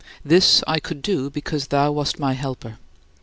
This I could do because thou wast my helper.